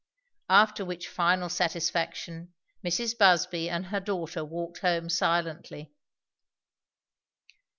After which final satisfaction Mrs. Busby and her daughter walked home silently.